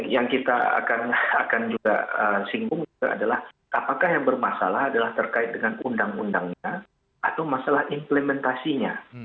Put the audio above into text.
yang kita akan juga singgung adalah apakah yang bermasalah adalah terkait dengan undang undangnya atau masalah implementasinya